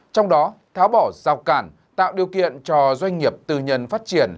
trong đó tháo bỏ rào cản tạo điều kiện cho doanh nghiệp tư nhân phát triển